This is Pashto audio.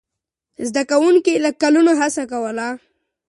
زده کوونکي له کلونو هڅه کوله.